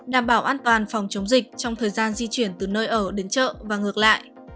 đảm bảo an toàn phòng chủ trong thời gian di chuyển từ nơi ở đến chợ và ngược lại